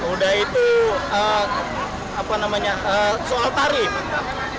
udah itu apa namanya soal tarif